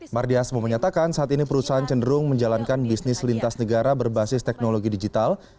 mardiasmu menyatakan saat ini perusahaan cenderung menjalankan bisnis lintas negara berbasis teknologi digital